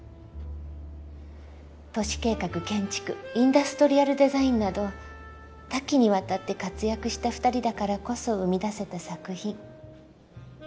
都市計画建築インダストリアルデザインなど多岐にわたって活躍した二人だからこそ生み出せた作品。